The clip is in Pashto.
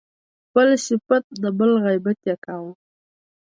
خپل صفت او د بل غیبت يې کاوه.